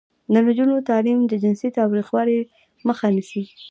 د نجونو تعلیم د جنسي تاوتریخوالي مخه نیسي.